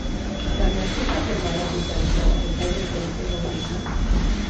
Baina zein da forma bakoitzarentzat betaurrekorik egokiena?